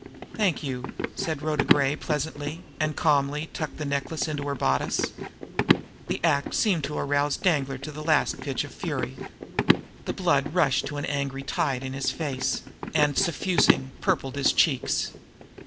"Thank you!" said Rhoda Gray pleasantly and calmly tucked the necklace into her bodice. The act seemed to rouse Danglar to the last pitch of fury. The blood rushed in an angry tide to his face, and, suffusing, purpled his cheeks.